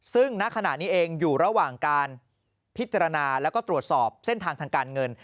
ซึ่งณขณะนี้เองอยู่ระหว่างการพิจารณาแล้วก็ตรวจสอบเส้นทางทางการเงิน